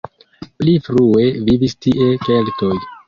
Pli frue vivis tie keltoj.